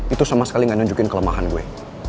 itu sama sekali gak nunjukin kelemahan gue